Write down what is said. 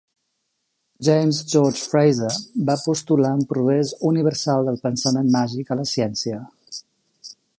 James George Frazer va postular un progrés universal del pensament màgic a la ciència.